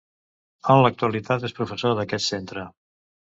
En l'actualitat és professor d'aquest centre.